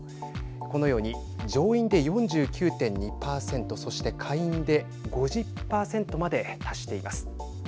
このように上院で４９．２％そして下院で５０％まで達しています。